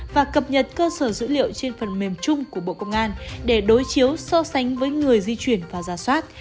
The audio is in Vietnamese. và cập nhật cơ sở dữ liệu trên phần mềm chung của bộ công an để đối chiếu so sánh với người di chuyển và giả soát